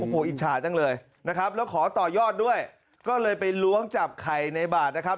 โอ้โหอิจฉาจังเลยนะครับแล้วขอต่อยอดด้วยก็เลยไปล้วงจับไข่ในบาทนะครับ